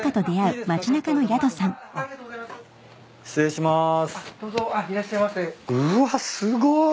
うわすごい。